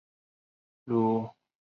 鲁勒河畔维雷人口变化图示